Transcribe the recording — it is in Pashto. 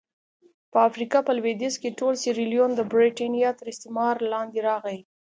په افریقا په لوېدیځ کې ټول سیریلیون د برېټانیا تر استعمار لاندې راغی.